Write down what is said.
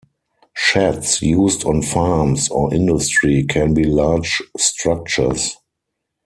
Sheds used on farms or in industry can be large structures.